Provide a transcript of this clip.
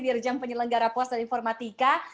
dirjen penyelenggara post dan informatika